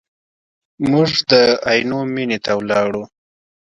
موږ د عینو مینې ته ولاړو.